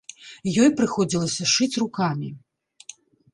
Ёй прыходзілася шыць рукамі.